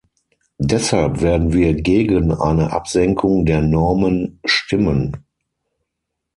Deshalb werden wir gegen eine Absenkung der Normen stimmen.